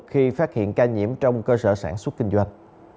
khi phát hiện ca nhiễm trong cơ sở sản xuất kinh doanh